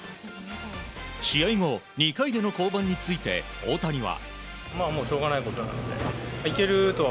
試合後、２回での降板について大谷は。